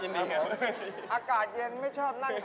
ยินดีครับ